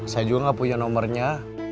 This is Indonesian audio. saya juga gak punya nomernya